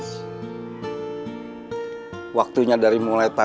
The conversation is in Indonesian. seperti apa ya